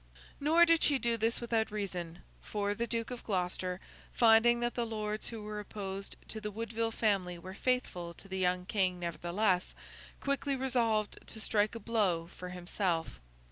Nor did she do this without reason, for, the Duke of Gloucester, finding that the lords who were opposed to the Woodville family were faithful to the young King nevertheless, quickly resolved to strike a blow for himself.